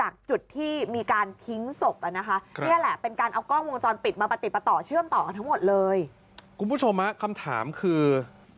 คุณผู้ชมคำถามคือ